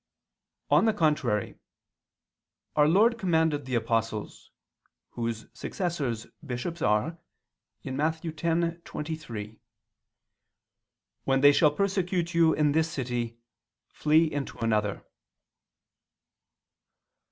On the contrary, our Lord commanded the apostles, whose successors bishops are (Matt. 10:23): "When they shall persecute you in this city, flee into another."